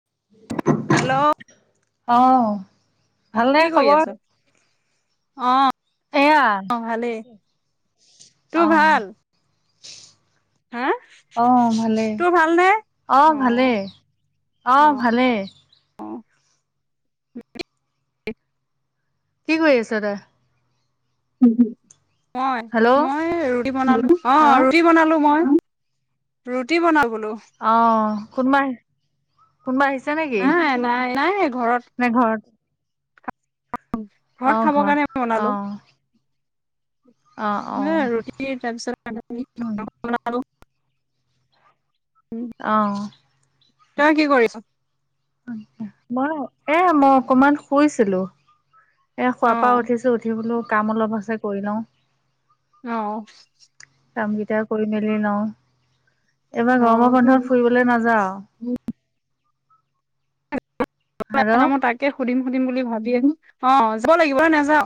[inaudible] Hello. অ ভালনে কি কৰি খবৰ আছ? অ এয়া আহ ভালেই তোৰ ভাল। হা অহঁহ ভালে তোৰ ভালনে? অহঁ অ ভালে অ অহঁ ভালেই কি কৰি আছ তই? মই হেল্ল' মই ৰুটি বনালো অ অহ ৰুটি বনালো মই ৰুটি বনাম। আহ কোনো? কোনোবা আহিছে নেকি নাই নাই নাই ঘৰত নে ঘৰত ঘৰত অহ খাব কাৰণে আমি বনালোঁ। অহ অহ হা অহ ৰুটি তাৰপিছত ব। অহঁ। তই কি কৰিছ মই এহ মই অকমান শুইছিলোঁ এ অ খোৱাৰ পৰা উঠিছোঁ উঠি বোলো কাম অলপ আছে কৰি লওঁ। অ কাম কেইটা কৰি মেলি লওঁ এইবাৰ অ গৰমৰ কি বন্ধত ফুৰিবলে নাযাও। হেল্ল' মই তাকে সুধিম সুধিম বুলি ভাবি আহিম অ যাব লাগিব ন নাযাও।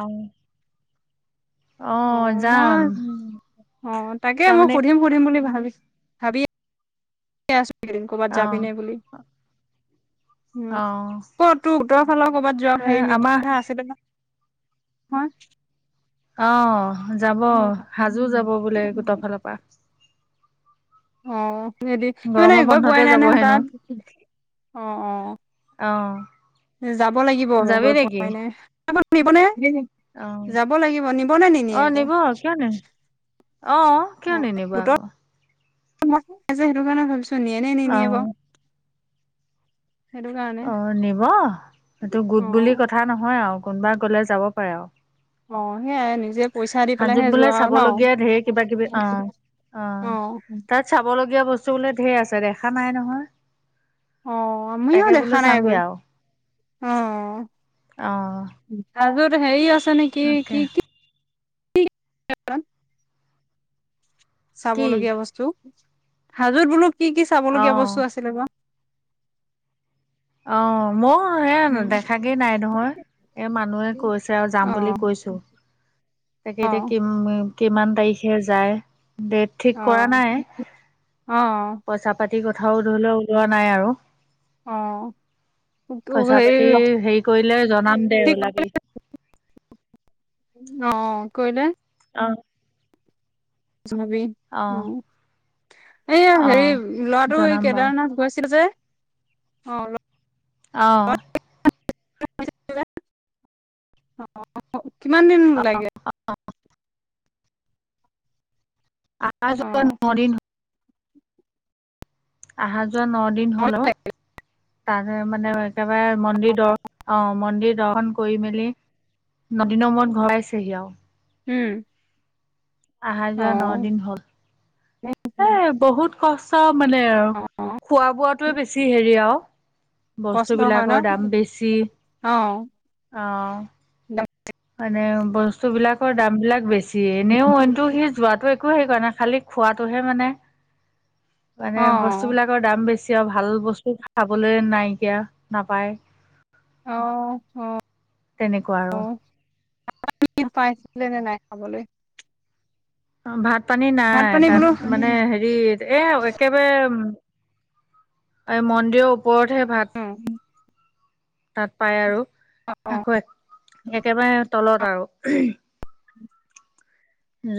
আহ। অ মই অ তাকে মই তাৰমানে সুধিম সুধিম বুলি ভাবিছো? ভাবি আছোঁ একিদিন ক'বাত অ যাবি নাই বুলি উম অ কত তোৰ উত্তৰ ফালৰ কৰবাত এ হেৰি মি কথা আমাৰ লিখা আছিল দেখোঁন। হা আহ যাব সাজো যাব বোলে গোটৰ ফালৰ পৰা। অঁহ হেতি মানে গৰমৰ গয় পোৱাই বন্ধতে নাই যাব নহয় হেনো তাঁত অহঁ অহঁ অ যাব লাগিব যাবি গৈ নেকি পোৱা নাই মোক নিব নে। অ যাব লাগিব নিব নে নিনিয়ো আকৌ আহ কিয় নি নিবা। মই আ সেইটো কাৰণে ভাবিছো নিয়ে নে অ নিনিয়ে বাৰু। সেইটো কাৰণে অ নিব এইটো অ গোট বুলি কথা নহয় আৰু কোনোবা গলে যাব পাৰে আৰু। অ সেইয়াই নিজে পইচা দি হাজোত পেলাইহে বোলে যোৱা আৰু নহঁ চাবলগীয়া ঢেৰ কিবা কিবি অ অ তাত চাবলগীয়া বস্তু বোলে ধেৰ আছে দেখা নাই নহয়। অঁ মমিও তাকে বোলো দেখা নাই চামগে গৈ আৰু অত। অ', হেৰি হৈছে নেকি কি তাকে কি [unintelligible] কি চাবলগীয়া বস্তু হাজুত বোলো কি কি চাবলগীয়া বস্তু অ', আছিলে ব অ মই সে উম দেখাগেই নাই নহয় এই মানুহে কৈছে আৰু যাম অ বুলি কৈছোঁ। তাকে অ এতিয়া কিম কিমান তাৰিখে যায়। ডেট ঠিক কৰা নাই অ পইচা পাতি যি কথাওঁ ধৰি লওঁ ওলোৱা নাই আৰু অ অ পইচা হেৰি পাতি হেৰি কৰিলে জনাম দে ঠিক ওলাবি। অহঁ কৈলে অহঁ জনাবি উম। এইয়া হেৰি অ'। ল'ৰাটো এই জনাম বাৰু কেদাৰনাথ গৈছিল যে অহঁ আহ [unintelligible] কিমান দিন লাগে। আজি অ লৈ নহ দিন হল অহা যোৱা নহঁ দিন হলে অওঁ তাৰে মানে একেবাৰে মন্দিৰ দ অ মন্দিৰ দৰ্শন কৰি মেলি নদিনৰ মূৰত ঘৰ পাইছেহি আৰু উম অহা যোৱা ন দিন হ'ল উম। সচা মানে আৰু খোৱা বোৱাতোৱে বেছি হেৰি আৰু কষ্ট হয় ন বস্তুবিলাকৰ দাম বেছি, অ অহঁ। মানে বস্তু বিলাকৰ দাম বিলাক বেছি এনেওটো সি যোৱাটো একো সেইকাৰ নে খালি খোৱাটোহে মানে মানে অ বস্তু বিলাকৰ দাম বেছি। এতিয়া ভাল বস্তু খাবলৈ নাইকিয়া নাপায়। আহ আহ তেনেকুৱা আৰু আহ পাইছিলে নে নাই খাবলৈ অ ভাঁত পানী ভাত নাই পানী বোলো তাতঁ মানে হেৰি এ একেবাৰে মন্দিৰৰ ওপৰতহে ভাত অ', তাত পাই আৰু আকৌ একেবাৰে তলত আৰু।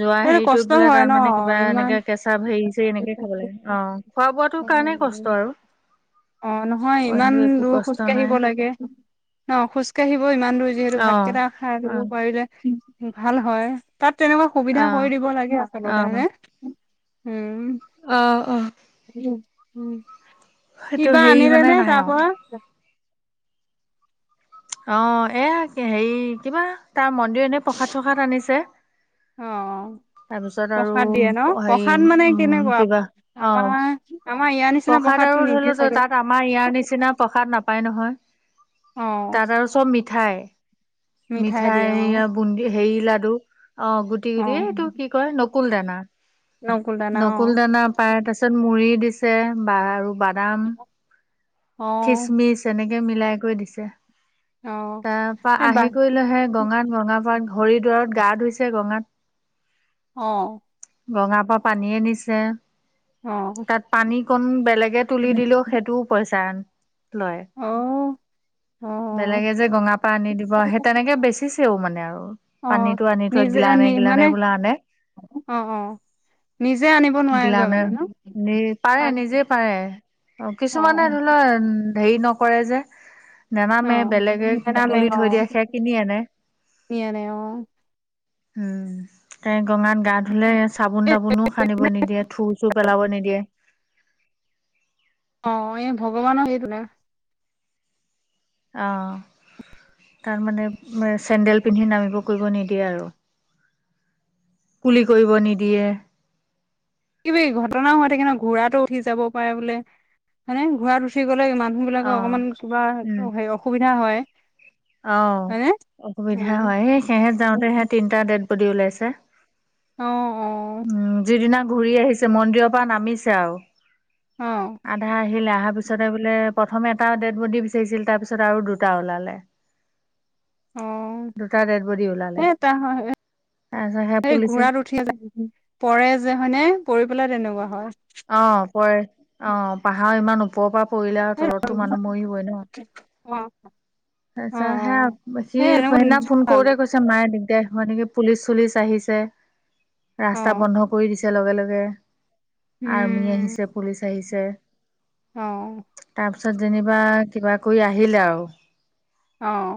যোৱা তেতিয়াতো হেৰিতোত কষ্ট বোলে হয় তাত ন মানে কিবা ইমান এনেকা কেঁচা হেৰিত এনেকে খাব লাগে অ খোৱা বোৱাটো কাৰণে কষ্ট আৰু। অঁ নহয়, ইমান অইনটো একো দূৰ কষ্ট নাই খোজকাঢ়িব লাগে। ন খোজ কাঢ়িবও ইমান দূৰ যিহেতু অ ভাতকেইটা খাই অ লব পাৰিলে। ভাল হ'য়, তাত তেনেকুৱা সুবিধা অ কৰি দিব লাগে আচলতে হ'য় নে? উম আহ অ উম সেইটো কিবা হেৰি আনিলে মানে নে নাই তাৰ আৰু পৰা। অ এয়া হেৰি কিবা তাৰ মন্দিৰ এনে প্ৰসাদ চসাদ আনিছে। অঁ অঁ তাৰপিছত আৰু প্ৰসাদ দিয়ে ন হেৰি প্ৰসাদ মানে উম কেনেকুৱা কিবা অ আমাৰ। আমাৰ ইয়াৰ নিচিনা প্ৰসাদ প্ৰসাদটো আৰু ধৰি নিদিয়ে লওক ত চাগে তাত আমাৰ ইয়াৰ নিচিনা প্ৰসাদ নাপায় নহয়। অ', তাত আৰু চব মিঠাই মিঠাই দিয়ে অ', মিঠাইয়া বুন্দি হেৰি লাডু, অঁ গুটি গুটি অ', এইটো কি কয়? নকুল দানা। নকুল দানা নকুল অ', দানা পায় তাৰ পিছত মুড়ি দিছে বা আৰু বাদাম অ'। খিচমিচ এনেকে মিলাই কৈ দিছে। অ তাৰপা এ বাহ আহি কৰিলেহে গঙাত বগা পাত হৰি দুৱাৰত গা ধুই ছে গঙাত অ গঙাৰ পৰা পানী আনিছে। অ কন, বেলেগে তুলি দিলেও সেইটোও পইচাঁ আন লয় অ অ বেলেগে যে গঙাপা আনি দিব সেই তেনেকে বেচিছেও মানে। আৰু অ পানীটো আনি থয়, নিজে গিলানে নি গিলানে মানে বোলে আনে। অ অ নিজে আনিব নোৱাৰেগৈ গিলানে মানে ন নি -পাৰে পানী। নিজে পাৰে। অঁ, অ কিছুমানে ধৰিলোৱা সেই নকৰে যে। অ নেনামে, বেলেগে নেনামে তুলি অ থৈ দিয়ে সেই কিনি আনে। নিয়া নাই অ উম ক গঙাত গা ধুলে চাবোন এ তাবোনো সানিব নিদিয়ে থুৰ চুৰ পেলাব নিদিয়ে। অঁ, এ ভগৱানৰ সেইভূঁনে। আহঁ তাৰ মানে চেণ্ডেল পিন্ধি নামিব কৰিব নিদিয়ে আৰু। কুলি কৰিব নিদিয়ে। কিব ঘটনাও হৈ থাকে ন ঘোঁৰাতো উঠি যাব পাৰে বোলে হয়নে ঘোঁৰাত উঠি গ'ল। [unintelligible] মানুহ অ বিলাকৰ অকমান কিবা উম হে হেৰি অসুবিধা হ'য়। অ হয়নে অসুবিধা উম হয় সেই সেহে যাওঁতে সে তিনটা ডেট বডি ওলাইছে। অ অ। উম যিদিনা ঘূৰি আহিছে, মন্দিৰৰপা নামিছে আও। অ। আহিলে, আহাৰ পিছতে বোলে প্ৰথমে এটা ডেড্‌ বডি বিচাৰিছিল। তাৰ পিছত আৰু দুটা ওলালে। অঁ, দুটা ডেড বডি ওলালে সেই তা হ হ'য় এ তাৰপিছত সেই হে পুলিচে ঘোঁৰাত উঠি যায় পৰে যে হয়নে পৰি পেলাই তেনেকুৱা হয়। অঁ পৰে, অঁ পাহাৰ ইমান ওপৰপা পৰিলে আও তলতটো মানুহ মৰিবই ন'? অ', অ', তাৰপিছত হে অ', সি সেই এনেকুৱা সেইদিনা ফোন ভাল কৰোতে কৈছে মায়ে দিগদাৰ- হ'য় নেকি? পুলিচ- চুলিচ আহিছে, ৰাস্তা অ', বন্ধ কৰি দিছে লগে লগে। আৰ্মি উম, আহিছে পুলিচ আহিছে। অ। তাৰপিছত যেনিবা কিবা কৰি আহিলে আৰু। অঁ,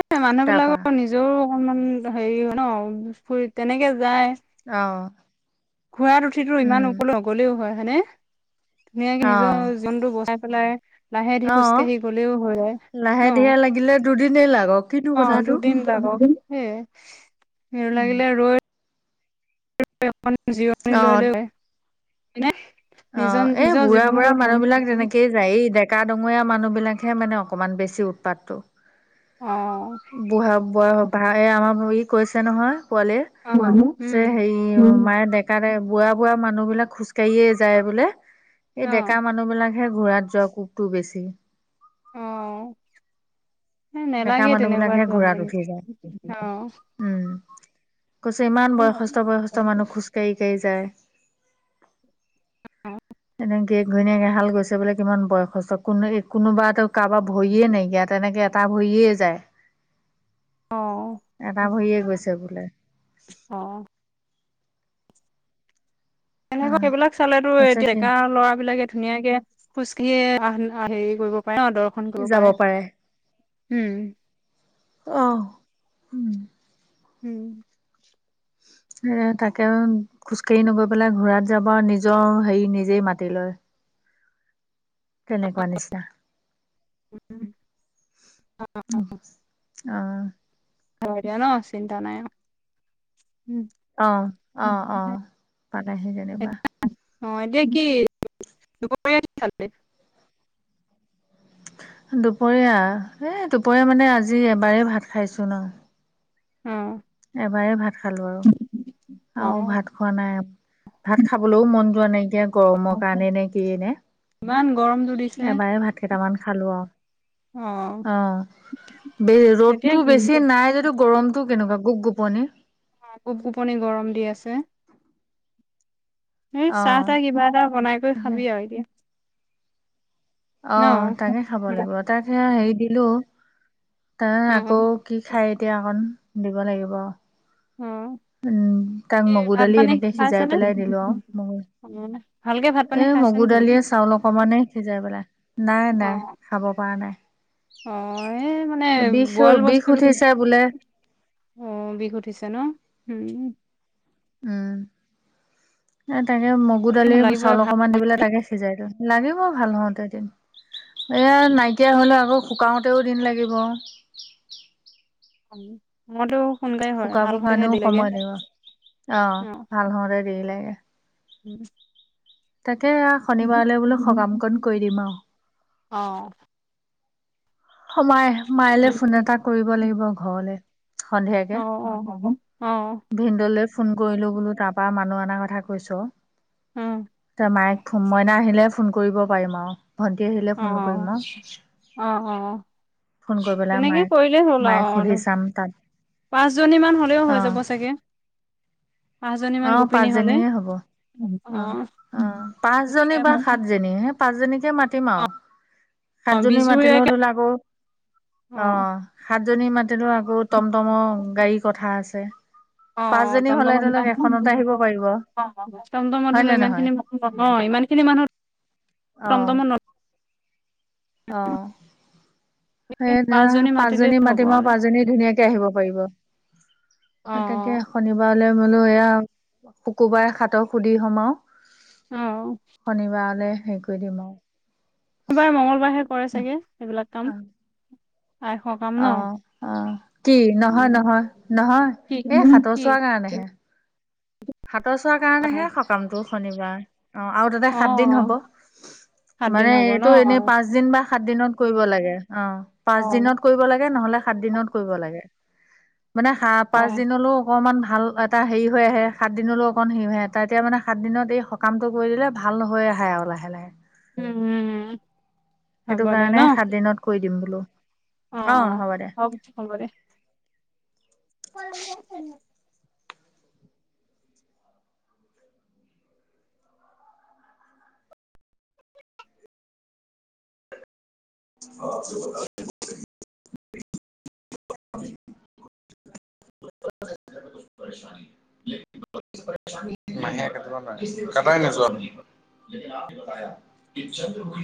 এ মানুহ তাৰপা বিলাকৰ নিজৰো অকণমান হেৰিও ন' ফুৰিত্‌ তেনেকে যায়। অ। ঘোৰাত উঠিতো ইমান উম ওপলে নগলেও হয় হয়নে? ধুনীয়াকে নিজৰ উজনটো বচাই পেলাই। অ লাহেধিৰে অ খোজকাঢ়ি গ'লেও হ'য় যায লাহে ন'? ধীৰে লাগিলে দুদিনেই লাগক কিন্তু অঁ কথাটো দুদিন তাত তহিম হে খেৰ উম লাগিলে ৰৈ জিৰণি অ লৈ লৈনে অ এই বুঢ়া বুঢ়া মানুহ বিলাক তেনেকেই যায় ডেকা ডঙৰীয়া মানুহ বিলাক। খে মানে অকণমান বেছি উৎপাতটো। অ'। বুঢ়া বয়স এই আমাৰ ই কৈছে নহয়। পোৱালিৰ, মানুহ পিছে হেৰি উম মায়ে ডেকা ডে বুৱা বুৱা মানুহ বিলাক খোজকাঢ়িয়ে যায় বোলে, অ এই ডেকা মানুহ বিলাকহে ঘোৰাত যোৱা কোকটো বেছি অঁ-। হে ডেকা নেলাগে মানুহ তেনেকুৱা বিলাকহে ঘোঁৰাত প্ৰব্লেম উঠি যায় অ। উম কৈছে ইমান বয়সস্থ বয়সস্থ মানুহ খোজ কাঢ়ি কাঢ়ি যায়। তেনেকে। গিৰিয়েক ঘৈণীয়েক এহাল গৈছে বোলে কিমান বয়সস্থ, কোনো হে কোনোবাটো কাৰোবাৰ ভৰিয়েই নাইকীয়া তেনেকে এটা ভৰিয়ে যায়। অ এটা ভৰিয়ে গৈছে বোলে। অ এনেকৈ আহ সেইবিলাক চালেটো এ কৈছে সে ডেকা ল'ৰাবিলাকে ধুনীয়াকে খোজ কাঢ়ি এ হেৰি কৰিব পাৰে ন দৰ্শন কৰিব পাৰে উম। অহ। [inaudible] এ তাকে খোজকাঢ়ি নগৈ পেলাই ঘূৰাত যাব আৰু নিজৰ হেৰি নিজেই মাতি লয়। তেনেকুৱা নিচিনা। ওঁ অঁ। থৈ দিয়ে ন' চিন্তা নাই আও। আহ অ অ পালেহি যেনিবা। অ এতিয়া কি দূপৰীয়া কি খালি? দুপৰীয়া, এই দুপৰীয়া মানে আজি এবাৰেই ভাত খাইছো ন'। অ এবাৰেই ভাত খালো আৰু অ আৰু ভাত খোৱা নাই। ভাত খাবলৈও মন যোৱা নাইকিয়া গৰমৰ কাৰণে নে কিয়ে নে? ইমান গৰমটো দিছে এবাৰে ভাত কেইটামান খালো আও। অ বে এতিয়া ৰ'দতটো বেছি নাই যদিও গৰমতটো কেনেকুৱা। গুপ গোপনী। আহ গুপ গুপনি গৰম দি আছে। উম চাহ অ' তাহ কিবা এটা বনাই কৰি খাবি আৰু এতিয়া ন অঁ তাকে খাব লাগিব তাক সে হেৰি দিলো। তাই অ আকৌ কি খাই এতিয়া অকণ দিব লাগিব আও। অ উম তাক মগুৰ ভাত দালি পানী এনেকে সিজাই খাইছেনে? পেলাই দিলো আৰু। মগু অ ভালকে ভাত পানী এ খাইছে মগু নে নাই? দালিয়ে চাউল অকমানে সিজাই পেলাই। নাই নাই, খাব খোৱা নাই। অঁ এই মানে বিষ বইল বিষ বস্তু উঠিছে বোলে অঁ, বিষ উঠিছে ন'? উম উম, এ তাকে মগু দালিত লাগিবই চাউল ভাল অকমান দি পেলাই তাকে সিজাই দিওঁ। লাগিব ভাল হওঁতে এদিন। এয়া নাইকিয়া হলে আকৌ শুকাওঁতেওঁ দিন লাগিব। উম মইটো সোনকালে হ'য়, শুকাব ভাল হ'বলেহে কাৰণেও দেৰি লাগে। সময় লাগিব অ অঁ ভাল হওঁতে দেৰি লাগে ওঁ ওঁহ্‌ তাকে শনিবাৰলৈ বোলো সকাম কণ কৰি দিম আৰু। অ', মায়লৈ ফোন এটা কৰিব লাগিব ঘৰলে সন্ধিয়াকে অ অ অ অ ভিনডলে ফোন কৰিলো বোলো তাৰ পৰাা মানুহ অাৰ কথা কৈছ অ তই মায়েক মইনা আহিলে ফোন কৰিব পাৰিম আৰু। ভন্টি আহিলে ফোন অঁ কৰিম আৰু অঁ অঁ ফোন কৰি পেলাই তেনেকে মায়েক কৰিলে হ'ল মায়েক আৰু সুধি ন চাম তাত পাঁচজনী মান হলেও হৈ যাব চাগে। পাঁচজনী মান অঁ গোপিনী হ'লে পাঁচজনীৰে হব। অ', অঁ অঁ পাঁচজনী তেনেকে বা সাতজনী হে পাঁচজনী মাতিম আৰু অ', সাতজনী মাতিলে বিজুৰীয়াকে অ' অ', সাত জেনী মাটি ডৰা আকৌ টমটমৰ গাড়ীৰ কথা আছে পাঁচজনী হলে ধৰি ল'লে এশ- তম তমট হয় হলে নে ইমান নহয় খিনি মানুহ নহয় অ' ইমান খিনি মানুহ অ টম টম মত অ', নতুকে সেই ধৰা মাতিলেই পাঁচজনী হ'ব মাতিম আৰু পাঁচজনী ধুনীয়াকে আহিব পাৰিব তাকে অ', শনিবাৰ বোলো এয়াও শুকুবাৰে সাতক সুধি সোমাও। অ', শনিবাৰলৈ হেৰি কৰি দিম আৰু শনিবাৰে মঙ্গলবাৰহে কৰে চাগে সেইবিলাক কাম আইস কাম ন অ-অ কি উম, নহয়-নহয়-নহয় কি এই সাতৰ কি চোৱাৰ কাৰণেহে। সচাৰ কাৰণেহে অ', সকামটো শনিবাৰ। অঁ আৰু তাতে সাত দিন হ'ব অ', সাত দিন মানে হ'ব ন এইটো এনেই অ', পাঁচ দিন বা সাত দিনত কৰিব লাগে। অঁ পাঁচ অ', দিনত কৰিব লাগে নহলে সাত দিনত কৰিব লাগে। মানে সা পাঁচদিনলৈও অকণমান ভাল এটা হেৰি হৈ আহে সাত দিনলৈ অকণ সি আহে ত এতিয়া মানে সাত দিনত এই সকামটো কৰি দিলে ভাল হৈ আহে আৰু লাহে লাহে। উম, উম, হ'ব সেইটো দে ন কাৰণে সাত দিনত কৰি দিম বোলো। অ হ'ব দে। অ হক হব দে। [unintelligible] অ [unintelligible] [unintelligible] মাহে কাটিব নোৱ কটাই নাচো আপ [unintelligible]